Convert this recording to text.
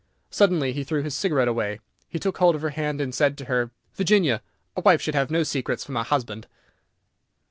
Suddenly he threw his cigarette away, took hold of her hand, and said to her, "Virginia, a wife should have no secrets from her husband."